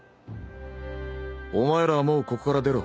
お前らはもうここから出ろ。